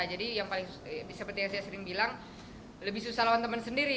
jadi yang paling seperti yang saya sering bilang lebih susah lawan teman sendiri